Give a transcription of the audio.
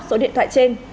số điện thoại trên